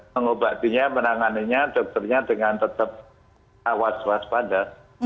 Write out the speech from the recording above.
mengobatinya menanganinya dokternya dengan tetap was waspada